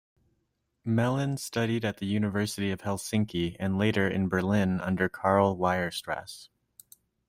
Mellin studied at the University of Helsinki and later in Berlin under Karl Weierstrass.